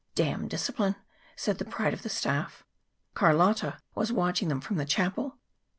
"Damn discipline!" said the pride of the staff. Carlotta was watching them from the chapel.